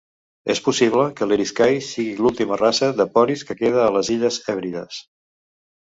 És possible que l'Eriskay sigui l'última raça de ponis que queda a les illes Hèbrides.